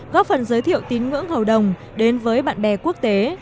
góp phần giới thiệu tín ngưỡng hầu đồng đến với bạn bè quốc tế